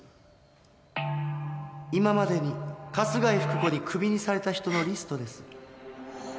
今までに春日井福子にクビにされた人のリストです。